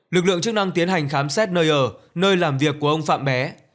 lực lượng chức năng tiến hành khám xét nơi ở nơi làm việc của ông phạm bé